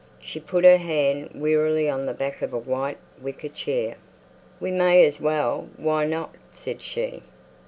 She put her hand wearily on the back of a white wicker chair. "We may as well. Why not?" said she.